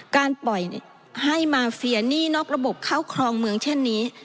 การปล่อยให้มาเฟียหนี้นอกระบบเข้าครองเมืองเช่นนี้